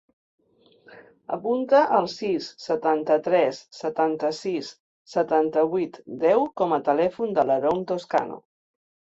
Apunta el sis, setanta-tres, setanta-sis, setanta-vuit, deu com a telèfon de l'Haroun Toscano.